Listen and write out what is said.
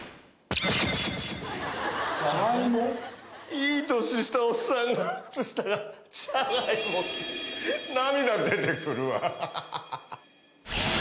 良い年したおっさんの靴下がじゃがいもって涙出てくるわ。